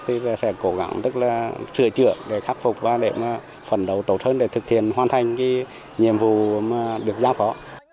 thì sẽ cố gắng tức là sửa chữa để khắc phục và để phần đầu tổn thương để thực hiện hoàn thành nhiệm vụ được giao phó